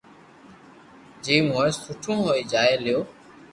جيم ھوئي سٺو ھوئي جوئي ليو